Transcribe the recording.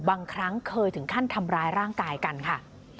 บางครั้งเคยถึงขั้นทำร้ายร่างกายกันค่ะ